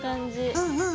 うんうん。